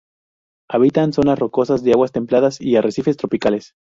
Habitan zonas rocosas de aguas templadas y arrecifes tropicales.